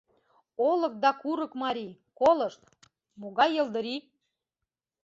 Олык да курык марий — Колышт, могай йылдырий!